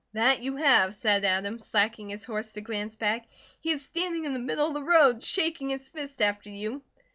"That you have," said Adam, slacking his horse to glance back. "He is standing in the middle of the road shaking his fist after you."